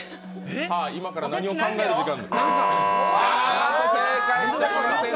今から何を考える時間？